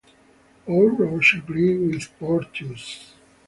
Paul Roche agreed with Porteous.